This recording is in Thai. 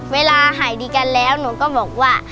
เวลาหายดีกันแล้วหนูก็บอกว่า